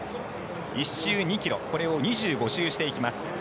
１周２ｋｍこれを２５周していきます。